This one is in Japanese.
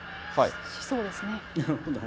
そうですね。